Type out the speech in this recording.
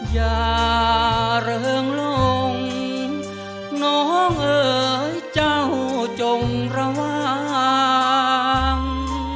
อย่าเริงลงน้องเอ๋ยเจ้าจงระวัง